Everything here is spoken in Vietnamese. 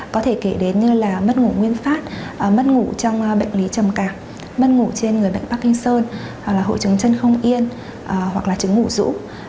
có thể kể đến như là mất ngủ nguyên phát mất ngủ trong bệnh lý trầm cạp mất ngủ trên người bệnh parkinson hội trứng chân không yên hoặc là trứng ngủ rũ